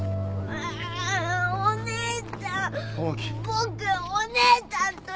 僕お姉ちゃんと行く。